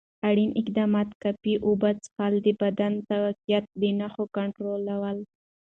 اړین اقدامات: کافي اوبه څښل، د بدن تقویت، د نښو کنټرول.